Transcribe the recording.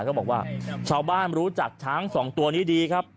เขาบอกว่าชาวบ้านรู้จักช้างสองตัวนี้ดีครับ